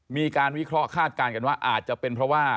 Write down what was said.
วิเคราะห์คาดการณ์กันว่าอาจจะเป็นเพราะว่า